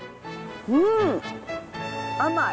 うん甘い！